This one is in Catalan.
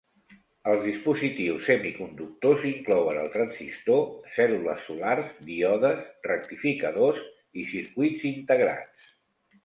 Els dispositius semiconductors inclouen el transistor, cèl·lules solars, díodes, rectificadors, i circuits integrats.